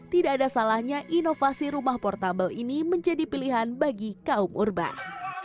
tidak ada salahnya inovasi rumah portable ini menjadi pilihan bagi kaum urban